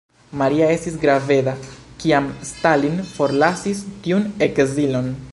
Maria estis graveda, kiam Stalin forlasis tiun ekzilon.